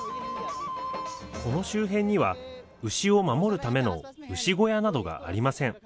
この周辺には牛を守るための牛小屋などがありません。